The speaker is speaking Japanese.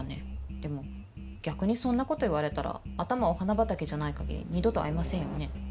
でも逆にそんなこと言われたら頭お花畑じゃない限り二度と会いませんよね。